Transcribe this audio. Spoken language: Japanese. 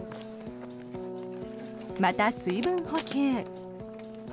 また水分補給。